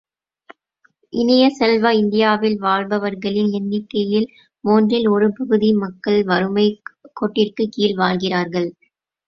இனிய செல்வ, இந்தியாவில் வாழ்பவர்களின் எண்ணிக்கையில் மூன்றில் ஒருபகுதி மக்கள் வறுமைக் கோட்டிற்குக் கீழ் வாழ்கிறார்கள்.